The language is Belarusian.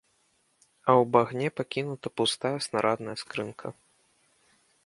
А ў багне пакінута пустая снарадная скрынка.